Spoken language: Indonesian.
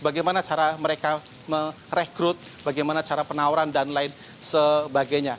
bagaimana cara mereka merekrut bagaimana cara penawaran dan lain sebagainya